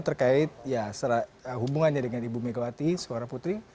terkait ya hubungannya dengan ibu mega wati suara putri